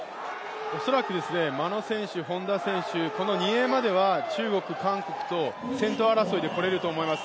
恐らく眞野選手、本多選手、２泳までは中国、韓国と先頭争いで来れると思います。